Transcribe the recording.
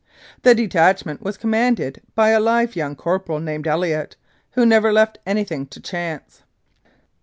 The detachment was commanded by a live young corporal named Elliott, who never left anything to chance.